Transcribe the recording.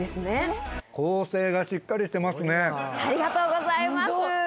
ありがとうございます。